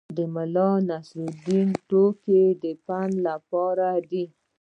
د ملانصرالدین ټوکې د پند لپاره دي.